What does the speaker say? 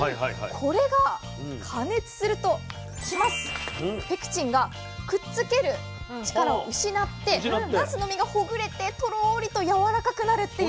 これが加熱するとペクチンがくっつける力を失ってなすの身がほぐれてトロリとやわらかくなるっていう。